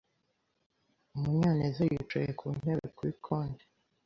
Munyanez yicaye ku ntebe kuri konti.